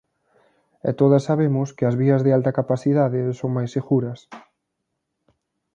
E todas sabemos que as vías de alta capacidade son máis seguras.